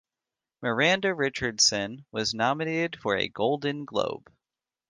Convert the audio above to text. Miranda Richardson was nominated for a Golden Globe.